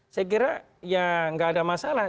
saya kira ya nggak ada masalah